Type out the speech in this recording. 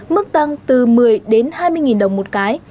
mức tăng từ một mươi đến hai mươi nghìn đồng một cái